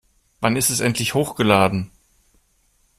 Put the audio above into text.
Wann ist es endlich hochgeladen?